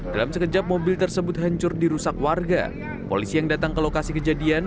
dalam sekejap mobil tersebut hancur dirusak warga polisi yang datang ke lokasi kejadian